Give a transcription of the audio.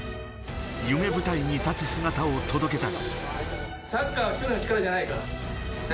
夢舞台に立つ姿を届けたい。